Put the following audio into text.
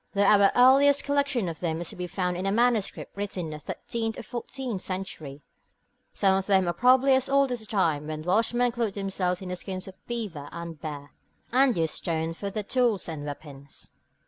Though our earliest collection of them is to be found in a manuscript written in the thirteenth or fourteenth century, some of them are probably as old as the time when Welshmen clothed themselves in the skins of the beaver and the bear, and used stone for their tools and weapons.